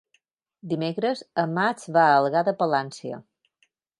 Dimecres en Max va a Algar de Palància.